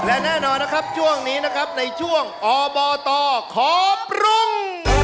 และแน่นอนนะครับช่วงนี้นะครับในช่วงอบตขอปรุง